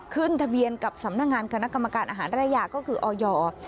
ขึ้นทะเบียนกับสำนักงานคณะกรรมการอาหารระยาก็คือออย